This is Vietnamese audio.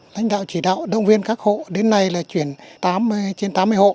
lãnh đạo chỉ đạo động viên các hộ đến nay là chuyển trên tám mươi hộ